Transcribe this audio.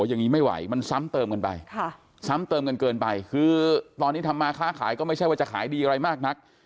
อย่างนี้ไม่ไหวมันซ้ำเติมกันไปซ้ำเติมกันเกินไปคือตอนนี้ทำมาค้าขายก็ไม่ใช่ว่าจะขายดีอะไรมากนัก